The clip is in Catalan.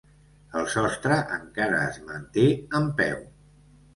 El sostre encara es manté en peu.